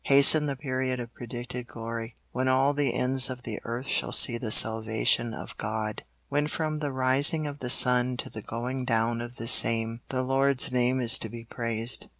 Hasten the period of predicted glory, when all the ends of the earth shall see the salvation of God; when from the rising of the sun to the going down of the same, the Lord's name is to be praised.